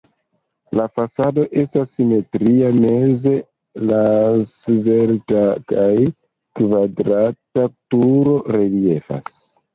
La fasado estas simetria, meze la svelta kaj kvadrata turo reliefas.